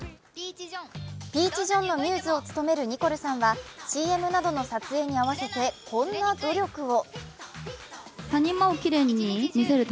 ＰＥＡＣＨＪＯＨＮのミューズを務めるニコルさんはＣＭなどの撮影に合わせてこんな努力を。